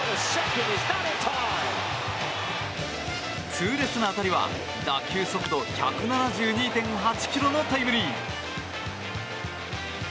痛烈な当たりは打球速度１７２．８ｋｍのタイムリー。